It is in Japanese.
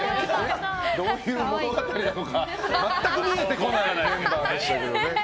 どういう物語なのか全く見えてこないメンバーでしたけどね。